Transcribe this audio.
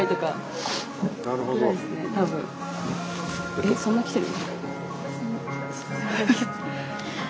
えっそんな来てる？